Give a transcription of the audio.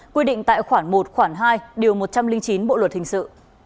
quy định tại khoảng một khoảng hai điều một trăm linh chín bộ luật hình sự